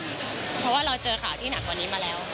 เพราะว่าเราเจอข่าวที่หนักกว่านี้มาแล้ว